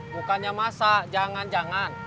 bukannya masa jangan jangan